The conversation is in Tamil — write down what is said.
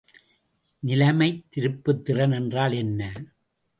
நிலைமத்திருப்புத்திறன் என்றால் என்ன?